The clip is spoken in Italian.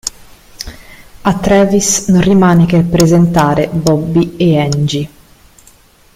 A Travis non rimane che presentare Bobby e Angie.